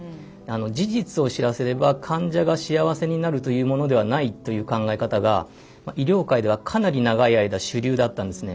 事実を知らせれば患者が幸せになるというものではないという考え方が医療界ではかなり長い間主流だったんですね。